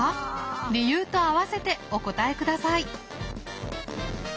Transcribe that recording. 理由と合わせてお答えください。